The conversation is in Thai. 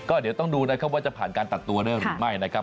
ก็เดี๋ยวต้องดูนะครับว่าจะผ่านการตัดตัวด้วยหรือไม่นะครับ